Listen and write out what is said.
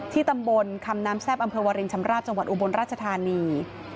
ตำบลคำน้ำแซ่บอำเภอวารินชำราบจังหวัดอุบลราชธานี